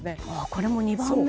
これも２番目。